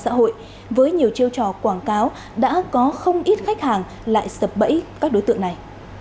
trong thời gian xã hội với nhiều chiêu trò quảng cáo đã có không ít khách hàng lại sập bẫy các đối tượng này